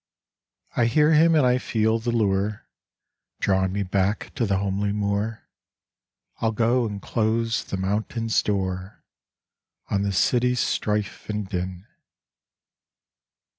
I hear him, and I feel the lure Drawing me back to the homely moor, I'll go and close the mountains' door On the city's strife and din.